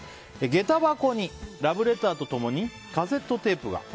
げた箱にラブレターと共にカセットテープが。